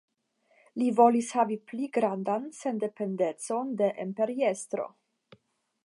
Li volis havi pli grandan sendependecon de Imperiestro.